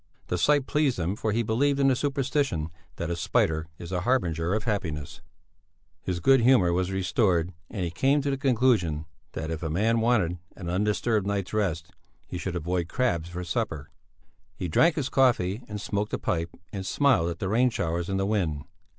The sight pleased him for he believed in the superstition that a spider is a harbinger of happiness; his good humour was restored and he came to the conclusion that if a man wanted an undisturbed night's rest, he should avoid crabs for supper. He drank his coffee and smoked a pipe and smiled at the rain showers and the wind.